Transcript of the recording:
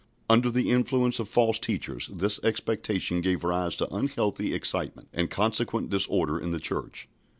" Under the influence of false teachers, this expectation gave rise to unhealthy excitement and consequent disorder in the Church.